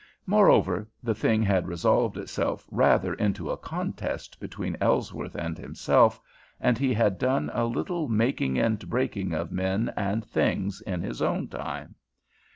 Moreover, the thing had resolved itself rather into a contest between Ellsworth and himself, and he had done a little making and breaking of men and things in his own time.